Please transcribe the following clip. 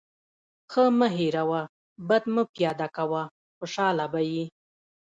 ښه مه هېروه، بد مه پیاده وه. خوشحاله به يې.